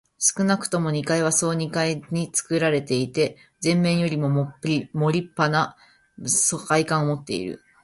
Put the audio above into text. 少なくとも二階は総二階につくられていて、前面よりもりっぱな外観をもっている。